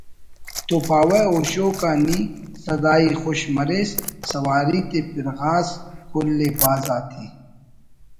تو پاوہ ہشوک آ نی سدائی خوش مریس سواری تے پِرغاس کُل ءِ بھاز آتے